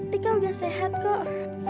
tika udah sehat kok